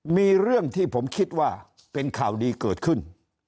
มีเรื่องที่ผมคิดว่าเป็นข่าวดีเกิดขึ้น